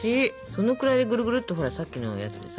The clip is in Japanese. そのくらいぐるぐるっとさっきのやつでさ。